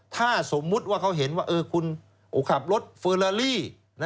ถ้าสมมุติว่าเขาเห็นว่าคุณขับรถเฟอร์ลาลี่